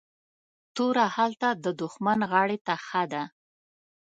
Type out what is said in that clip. توره هلته ددښمن غاړي ته ښه ده